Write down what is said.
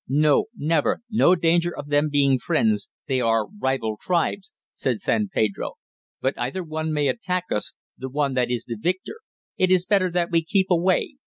"No never no danger of them being friends they are rival tribes," said San Pedro. "But either one may attack us the one that is the victor. It is better that we keep away."